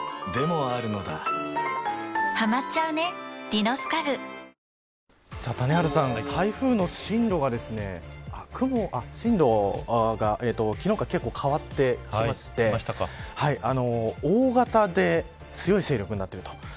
新登場谷原さん、台風の進路が昨日から結構、変わってきまして大型で強い勢力になっていると。